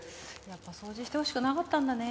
やっぱ掃除してほしくなかったんだね。